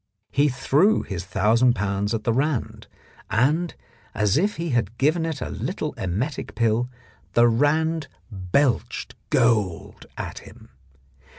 He threw his thousand pounds at the Rand, and, as if he had given it a little emetic pill, the Rand belched gold at him.